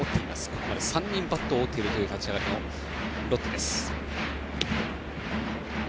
ここまで３人バットを折っている立ち上がりのロッテ。